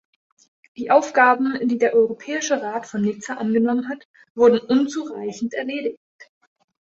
Die Aufgaben, die der Europäische Rat von Nizza angenommen hat, wurden unzureichend erledigt.